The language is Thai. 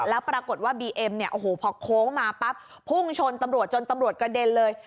แล้วปรากฏว่าบีเอ็มเนี่ยโอ้โหพอโค้งมาปั๊บพุ่งชนตำรวจจนตำรวจกระเด็นเลย